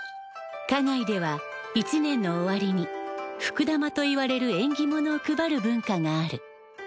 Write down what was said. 花街では一年の終わりに福玉といわれる縁起物を配る文化がある。